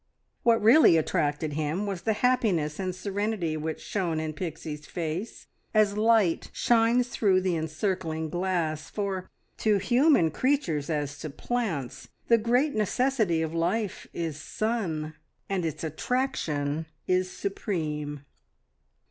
What really attracted him was the happiness and serenity which shone in Pixie's face, as light shines through the encircling glass, for to human creatures as to plants the great necessity of life is sun, and its attraction is supreme.